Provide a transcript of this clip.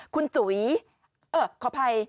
คุณจุ๋ยขออภัย